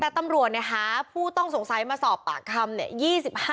แต่ตำรวจเนี่ยหาผู้ต้องสงสัยมาสอบปากคำเนี่ย